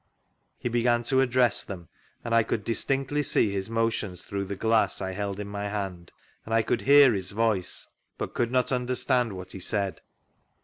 He began to addrtss them, and I could distinctly see his motions through the glass I held in my hand, and I could hear his voice, but could not understand what he said.